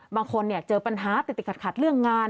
บางคนเจอปัญหาติดขัดเรื่องงาน